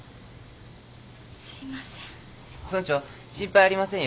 すいません。